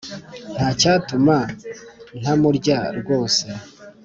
ntacyatuma ntamurya ryose